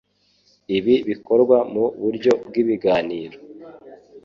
Ibi bikorwa mu buryo bw'ibiganiro.